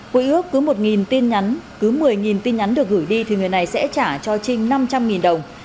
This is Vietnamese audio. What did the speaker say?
quy ước cứ một tin nhắn cứ một mươi tin nhắn được gửi đi thì người này sẽ trả cho trinh năm trăm linh đồng